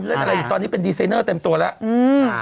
เล่นอะไรอยู่ตอนนี้เป็นดีไซเนอร์เต็มตัวแล้ว